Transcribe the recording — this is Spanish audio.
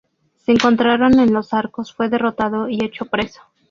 Se encontraron en Los Arcos, fue derrotado y hecho preso.